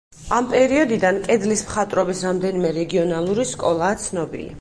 ამ პერიოდიდან კედლის მხატვრობის რამდენიმე რეგიონალური სკოლაა ცნობილი.